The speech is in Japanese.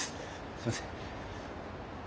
すいません。